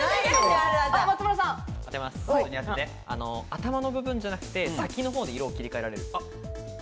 頭の部分じゃなくて、先のほうで色を切り替えられる。